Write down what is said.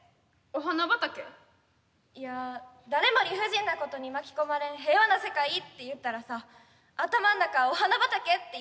いや誰も理不尽なことに巻き込まれん平和な世界って言ったらさ頭ん中お花畑っていわれるやん。